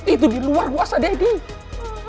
itu diluar kuasa daddy